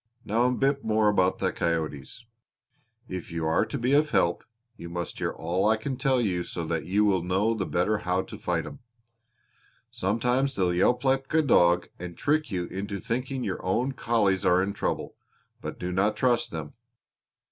Now a bit more about the coyotes. If you are to be of help you must hear all I can tell you so that you will know the better how to fight 'em. Sometimes they'll yelp like a dog and trick you into thinking your own collies are in trouble; but do not trust them.